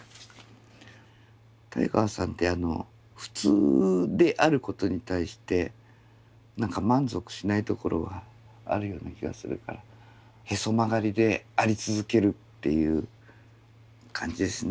タイガーさんって普通であることに対して何か満足しないところがあるような気がするからへそ曲がりであり続けるっていう感じですね。